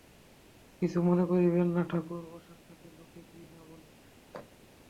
কিছু মনে করিবেন না ঠাকুর, অসাক্ষাতে লোকে কী না বলে।